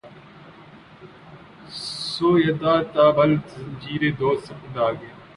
سویدا تا بلب زنجیری دود سپند آیا